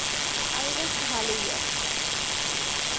আমি বেশ ভালোই আছি।